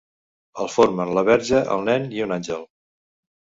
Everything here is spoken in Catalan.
El formen la Verge, el nen i un àngel.